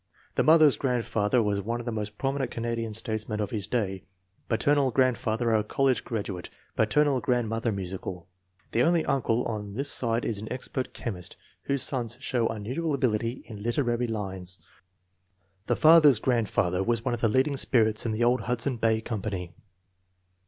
The mother's grandfather was one of the most prominent Canadian statesmen of his day. Paternal grandfather a college graduate; FORTY ONE SUPEBIOE CHILDEEN . 233 paternal grandmother musical. The only uncle on this side is an expert chemist, whose sons show unus ual ability in literary lines. The father's grandfather was one of the leading spirits in the old Hudson Bay Company.